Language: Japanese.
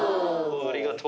ありがとう。